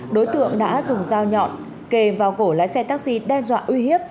đối tượng đã dùng dao nhọn kề vào cổ lái xe taxi đe dọa uy hiếp